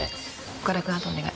岡田君あとお願い。